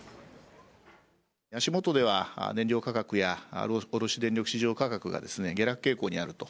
足元では燃料価格や卸電力市場価格が下落傾向にあると。